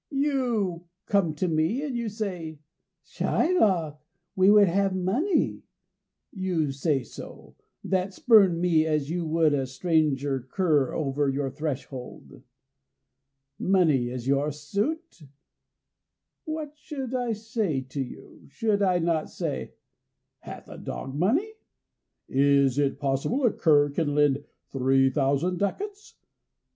"You come to me and you say, 'Shylock, we would have money' you say so, that spurned me as you would a stranger cur over your threshold! Money is your suit! What should I say to you? Should I not say, 'Hath a dog money? Is it possible a cur can lend three thousand ducats?